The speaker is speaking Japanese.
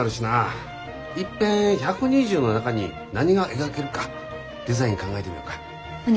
いっぺん１２０の中に何が描けるかデザイン考えてみよか。